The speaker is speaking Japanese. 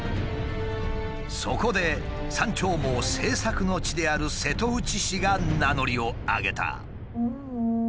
そこで「山鳥毛」製作の地である瀬戸内市が名乗りを上げた。